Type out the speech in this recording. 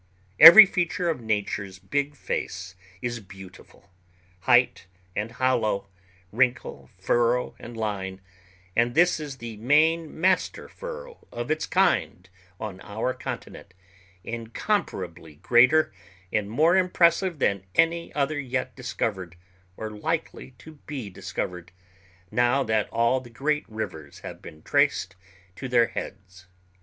Every feature of Nature's big face is beautiful,—height and hollow, wrinkle, furrow, and line,—and this is the main master furrow of its kind on our continent, incomparably greater and more impressive than any other yet discovered, or likely to be discovered, now that all the great rivers have been traced to their heads.